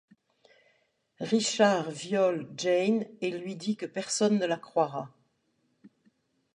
Richard viole Jane et lui dit que personne ne la croira.